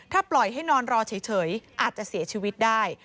ถ้าปล่อยให้นอนรอเฉยอาจจะเสียชีวิตได้